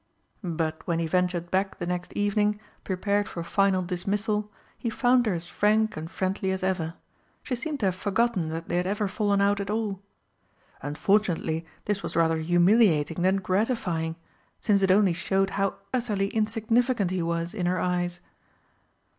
But when he ventured back the next evening, prepared for final dismissal, he found her as frank and friendly as ever; she seemed to have forgotten that they had ever fallen out at all. Unfortunately this was rather humiliating than gratifying, since it only showed how utterly insignificant he was in her eyes.